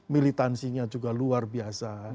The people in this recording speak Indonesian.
militansinya juga luar biasa